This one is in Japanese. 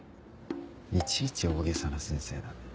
いちいち大げさな先生だね。